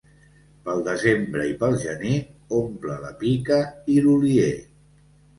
Pel desembre i pel gener, omple la pica i l'olier.